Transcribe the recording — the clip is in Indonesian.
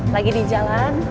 lagi di jalan